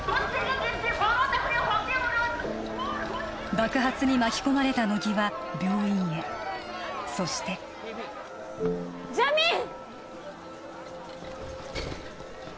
爆発に巻き込まれた乃木は病院へそしてジャミーン！